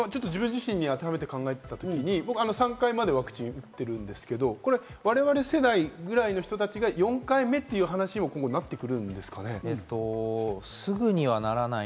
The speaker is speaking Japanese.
自分自身に当てはめて考えたとき、僕、３回ワクチン打ってるんですけれども我々世代ぐらいの方も４回目という話も今後なってくるんですかね。